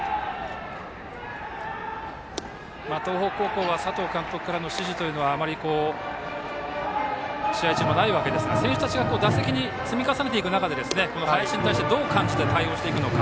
東北高校は佐藤監督からの指示はあまり試合中にもないわけですが選手たちが打席を積み重ねていく中で林に対してどう感じて対応していくのか。